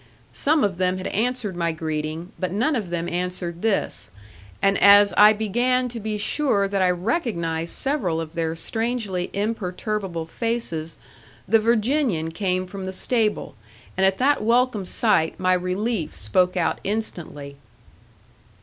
Some of them had answered my greeting, but none of them answered this; and as I began to be sure that I recognized several of their strangely imperturbable faces, the Virginian came from the stable; and at that welcome sight my relief spoke out instantly.